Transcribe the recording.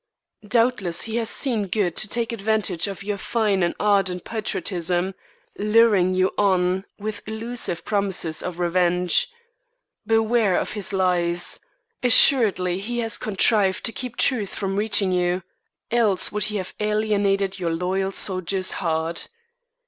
Doubtless he has seen good to take advantage of your fine and ardent patriotism, luring you on with illusive promises of revenge. Beware of his lies! Assuredly he has contrived to keep truth from reaching you, else would he have alienated your loyal soldier's heart.